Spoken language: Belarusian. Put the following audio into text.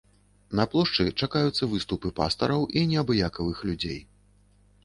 На плошчы чакаюцца выступы пастараў і неабыякавых людзей.